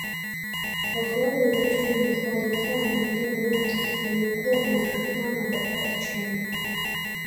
Wafuaji wa chuma walikaa maeneo yote yaliyokuwa na uwezekano wa kupata chuma